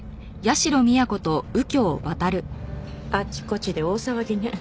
あちこちで大騒ぎね。